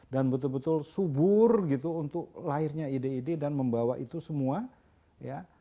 dan betul betul subur gitu untuk lahirnya ide ide dan membawa itu semua ya